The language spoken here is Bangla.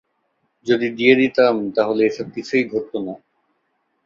যদি দিয়ে দিতাম, তাহলে এসব কিছুই ঘটত না।